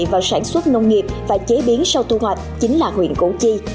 vào sản xuất nông nghiệp và chế biến sau thu hoạch chính là huyện củ chi